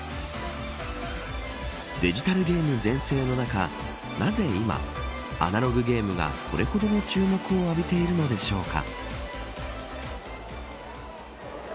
デジタルゲーム全盛の中なぜ今、アナログゲームがこれほどの注目を浴びているのでしょうか。